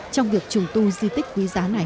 trong việc trùng tu di tích quý giá này